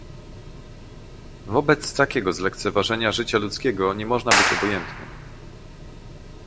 Wobec takiego lekceważenia życia ludzkiego nie można być obojętnym